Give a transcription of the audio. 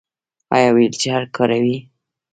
ایا ویلچیر کاروئ؟